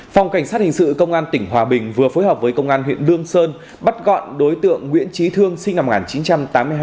phòng cảnh sát hình sự công an tỉnh hòa bình vừa phối hợp với công an huyện lương sơn bắt gọn đối tượng nguyễn trí thương sinh năm một nghìn chín trăm tám mươi hai